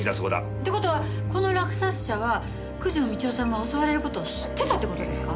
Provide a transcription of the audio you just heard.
って事はこの落札者は九条美千代さんが襲われる事を知ってたって事ですか？